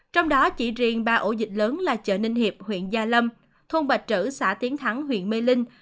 trong đó chỉ riêng ba ổ dịch lớn là chợ ninh hiệp huyện gia lâm thôn bạch trữ xã tiến thắng huyện mê linh